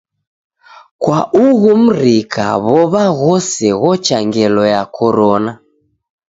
Kwa ughu mrika w'ow'a ghose ghocha ngelo ya Korona.